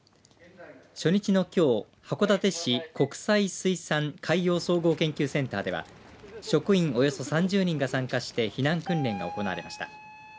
初日のきょう函館市国際水産・海洋総合研究センターでは職員およそ３０人が参加して避難訓練が行われました。